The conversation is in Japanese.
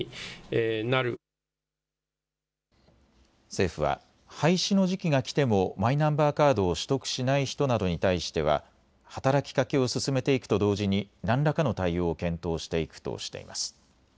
政府は廃止の時期が来てもマイナンバーカードを取得しない人などに対しては働きかけを進めていくと同時に何らかの対応を検討していくとしています。